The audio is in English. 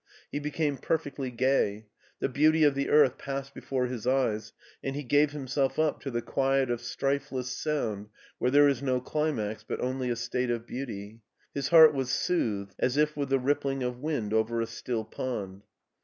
He became perfectly gay. The beauty of the earth passed before his eyes, and he gave himself up to the quiet of strifeless sound where there is no climax but only a state of beauty. His heart was soothed as if with the rippling of wind over a still pond.